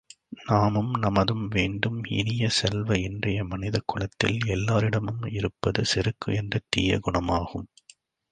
நாமும் நமதும் வேண்டும் இனிய செல்வ இன்றைய மனிதகுலத்தில் எல்லாரிடமும் இருப்பது செருக்கு என்ற தீய குணமாகும்.